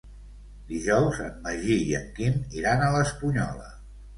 Dijous en Magí i en Quim iran a l'Espunyola.